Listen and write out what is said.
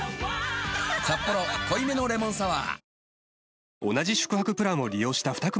「サッポロ濃いめのレモンサワー」